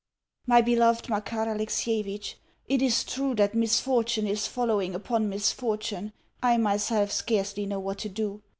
MY BELOVED MAKAR ALEXIEVITCH, It is true that misfortune is following upon misfortune. I myself scarcely know what to do.